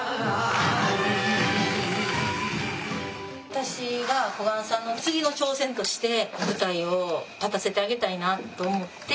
私が小雁さんの次の挑戦として舞台を立たせてあげたいなと思って。